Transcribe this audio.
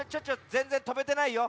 ぜんぜんとべてないよ。